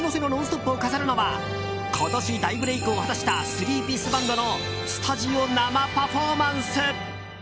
２０２１年年の瀬の「ノンストップ！」を飾るのは今年大ブレークを果たしたスリーピースバンドのスタジオ生パフォーマンス。